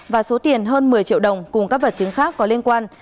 và số tiền hơn một mươi triệu đồng cùng các vật chứng khác có liên quan